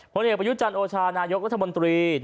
ผลเอกประยุจันทร์โอชานายกรัฐมนตรี